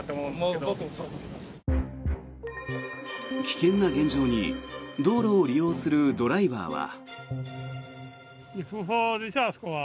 危険な現状に道路を利用するドライバーは。